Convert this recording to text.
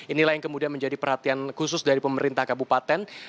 inilah yang kemudian menjadi perhatian khusus dari pemerintah kabupaten